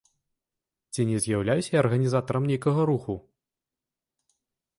Ці не з'яўляюся я арганізатарам нейкага руху?